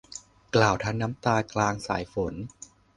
กล่าวทั้งน้ำตากลางสายฝน